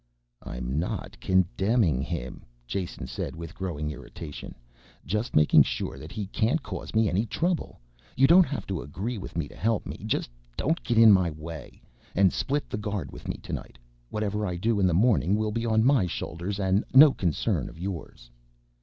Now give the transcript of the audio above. "I'm not condemning him," Jason said with growing irritation, "Just making sure that he can't cause me any trouble. You don't have to agree with me to help me, just don't get in my way. And split the guard with me tonight. Whatever I do in the morning will be on my shoulders and no concern of yours."